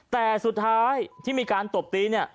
แต่สุดท้ายที่มีการตบตีเนี่ย